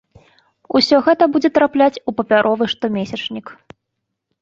Усё гэта будзе трапляць у папяровы штомесячнік.